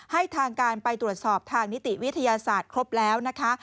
ให้ทางการไปตรวจสอบทางนิติวิทยาศาสตร์ครบแล้วนะคะ